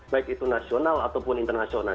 baik itu nasional ataupun internasional